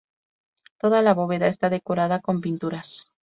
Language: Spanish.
Toda la bóveda está decorada con pinturas.